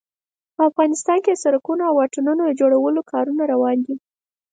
افغانستان کې د سړکونو او واټونو د جوړولو کارونه روان دي